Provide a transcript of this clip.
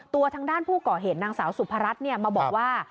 ตัวทางด้านผู้ก่อเหตุนางสาวสุพรัชมาบอกว่า